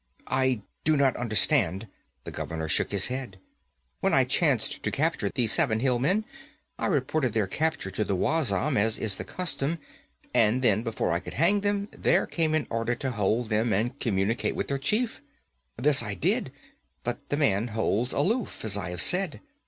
'I do not understand.' The governor shook his head. 'When I chanced to capture these seven hill men, I reported their capture to the wazam, as is the custom, and then, before I could hang them, there came an order to hold them and communicate with their chief. This I did, but the man holds aloof, as I have said.